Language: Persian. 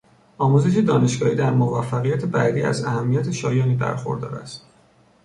آموزش دانشگاهی در موفقیت بعدی از اهمیت شایانی برخوردار است.